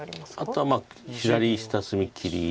あとは左下隅切り。